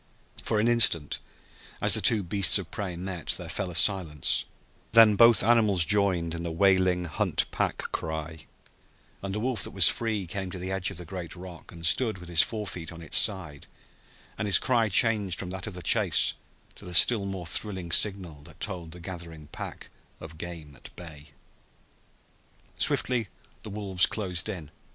For an instant, as the two beasts of prey met, there fell a silence; then both animals joined in the wailing hunt pack cry, and the wolf that was free came to the edge of the great rock and stood with his fore feet on its side, and his cry changed from that of the chase to the still more thrilling signal that told the gathering pack of game at bay. Swiftly the wolves closed in.